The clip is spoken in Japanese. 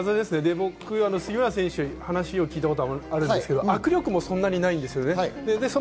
僕、杉村選手に話を聞いたことがあるんですけど、握力がない、そんなにないんですよね。